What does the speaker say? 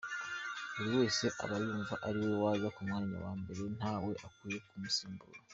Buri wese aba yumva ariwe waza ku mwanya wa mbere, ntawe ukwiye kumusimbura.